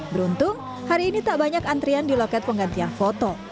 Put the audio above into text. beruntung hari ini tak banyak antrian di loket penggantian foto